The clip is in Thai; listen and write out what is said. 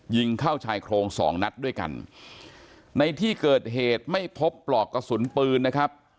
ยิงเข้าชายโครงสองนัดด้วยกันในที่เกิดเหตุไม่พบปลอกกระสุนปืนนะครับ